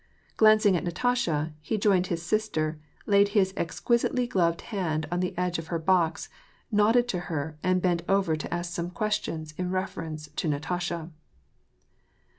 Glancing at Natasha, he joined his sister, laid his exquisitely gloved hand on the edge of her box, nodded to her, and bent over to ask some question in reference to Natasha.